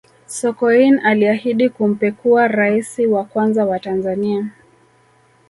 sokoine aliahidi kumpekua raisi wa kwanza wa tanzania